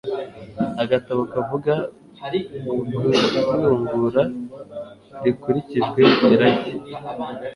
agatabo kavuga ku izungura rikurikijwe irage